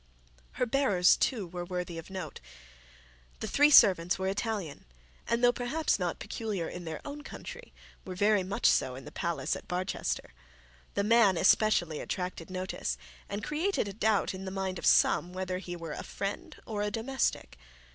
Her bearers too were worthy of note. The three servants were Italian, and though perhaps not peculiar in their own country, were very much so in the palace at Barchester. The man, especially attracted notice, and created a doubt in the mind of some whether he were a friend or a domestic.